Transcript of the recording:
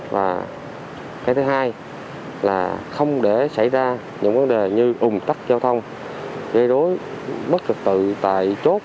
và cái thứ hai là không để xảy ra những vấn đề như ủng tắc giao thông gây rối bất hợp tự tại chốt